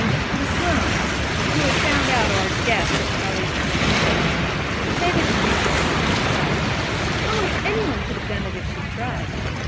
The Sloanes, who had found out or guessed that Charlie had been "turned down," said they didn't think it was much to be proud of; almost any one could have done it, if she tried.